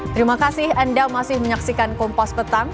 terima kasih anda masih menyaksikan kompos petang